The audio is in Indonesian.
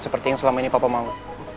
seperti yang selama ini papa mau